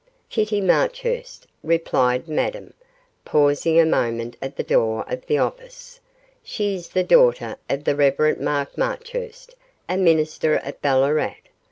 'Kitty Marchurst,' replied Madame, pausing a moment at the door of the office; 'she is the daughter of the Rev. Mark Marchurst, a minister at Ballarat.